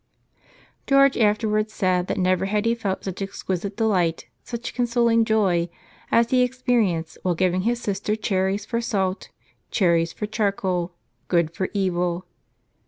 George afterward said that never had he felt such exquisite delight, such consoling joy, as he experienced while giving his sister cherries for salt, cherries for charcoal — good for evil.